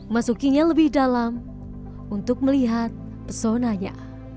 masukinya lebih dalam untuk melihat pesonanya